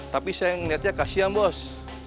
tapi saya yang liatnya kasihan bos